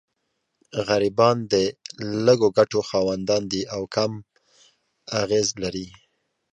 غریبان د لږو ګټو خاوندان دي او کم اغېز لري.